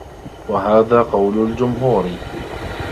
وَهَذَا قَوْلُ الْجُمْهُورِ